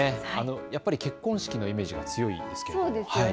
やっぱり結婚式のイメージが強いです。